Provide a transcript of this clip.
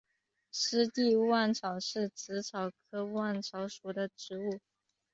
湿地勿忘草是紫草科勿忘草属的植物。